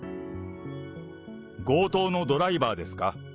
強盗のドライバーですか？